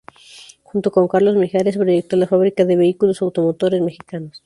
Junto con Carlos Mijares proyectó la fábrica de Vehículos Automotores Mexicanos.